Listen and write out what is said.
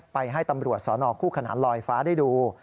ให้ตำรวจสนคู่ขนานลอยฟ้าได้ดู